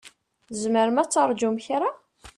Tzemrem ad terǧum kra?